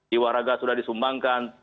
jiwa raga sudah disumbangkan